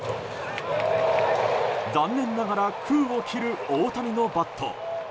残念ながら空を切る大谷のバット。